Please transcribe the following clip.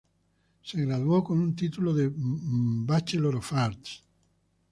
Se graduó con un título de Bachelor of Arts.